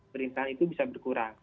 perintahan itu bisa berkurang